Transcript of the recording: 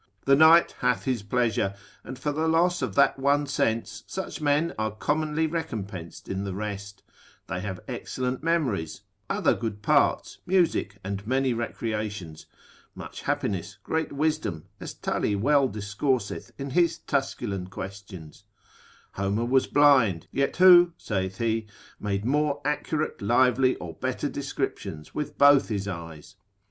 The night hath his pleasure; and for the loss of that one sense such men are commonly recompensed in the rest; they have excellent memories, other good parts, music, and many recreations; much happiness, great wisdom, as Tully well discourseth in his Tusculan questions: Homer was blind, yet who (saith he) made more accurate, lively, or better descriptions, with both his eyes?